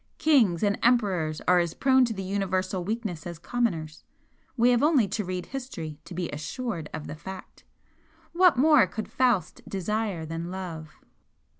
Kings and emperors are as prone to the universal weakness as commoners, we have only to read history to be assured of the fact. What more could Faust desire than love?"